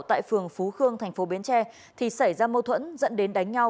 tại phường phú khương thành phố bến tre thì xảy ra mâu thuẫn dẫn đến đánh nhau